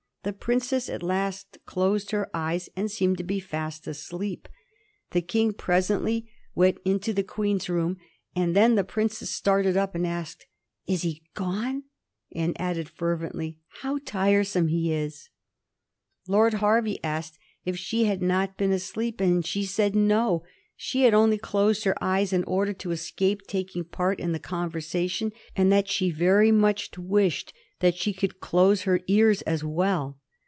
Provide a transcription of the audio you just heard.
The princess at last closed her eyes, and seemed to be fast asleep. The King presently went into 1737. WOULD NOT PLAY SECOND FIDDLE. 123 the Queen's room, and then the princess started up and asked, " Is he gone ?" and added, fervently, " How tire some he is!" Lord Hervey asked if she had not been asleep; she said no; she had only closed her eyes in order to escape taking part in the conversation, and that she very much wished she could close her ears as well.